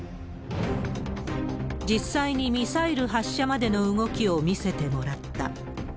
実際にミサイル発射までの動きを見せてもらった。